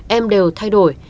em đều thay đổi